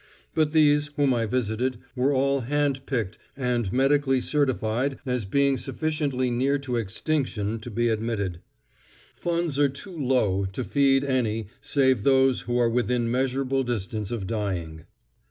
But these, whom I visited, were all hand picked and medically certified as being sufficiently near to extinction to be admitted. Funds are too low to feed any save those who are within measurable distance of dying.